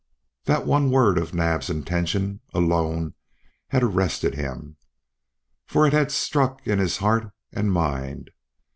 That one word of Naab's intention, "Alone!" had arrested him. For it had struck into his heart and mind.